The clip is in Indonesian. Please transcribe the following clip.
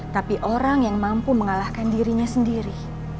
tapi orang yang mampu mengalahkan dirinya sendiri